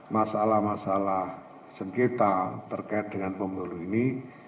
masalah masalah sekitar terkait dengan pemeluru ini